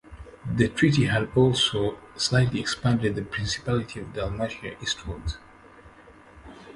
The treaty had also slightly expanded the Principality of Dalmatia eastwards.